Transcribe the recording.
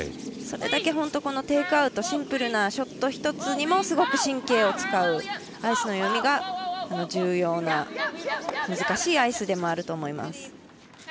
それだけ本当、テイクウトシンプルなショット１つにもすごく神経を使うアイスの読みが重要な難しいアイスでもあると思います。